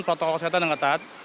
protokol kesehatan dan ketat